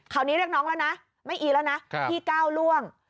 เรียกน้องแล้วนะไม่อีแล้วนะพี่ก้าวล่วง